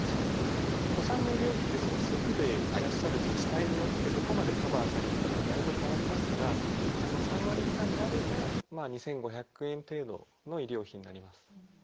お子さんの医療費って住んでいらっしゃる自治体によってどこまでカバーされるかがだいぶ変わりますが３割負担であれば２，５００円程度の医療費になります。